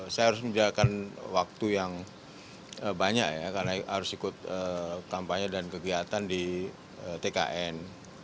saya harus menjalankan waktu yang banyak ya karena harus ikut kampanye dan kegiatan di tkn